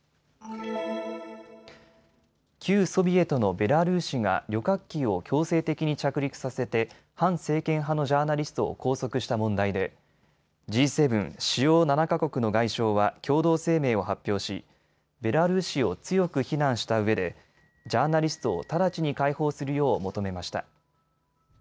旧ソビエトのベラルーシが旅客機を強制的に着陸させて反政権派のジャーナリストを拘束した問題でＧ７・主要７か国の外相は共同声明を発表しベラルーシを強く非難したうえでジャーナリストを直ちに解放するよう求めました。